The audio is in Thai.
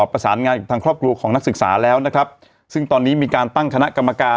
ประสานงานกับทางครอบครัวของนักศึกษาแล้วนะครับซึ่งตอนนี้มีการตั้งคณะกรรมการ